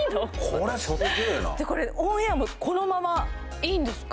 これすげえなこれオンエアもこのままいいんですか？